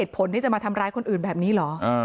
ผลที่จะมาทำร้ายคนอื่นแบบนี้เหรอ